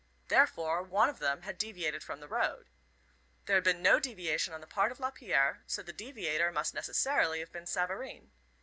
Therefore, one of them had deviated from the road. There had been no deviation on the part of Lapierre, so the deviator must necessarily have been Savareen.